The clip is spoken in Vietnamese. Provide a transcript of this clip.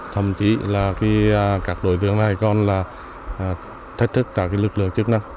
thậm chí là các đối tượng này còn là thách thức cả lực lượng chức năng